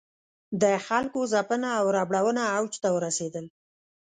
د خلکو ځپنه او ربړونه اوج ته ورسېدل.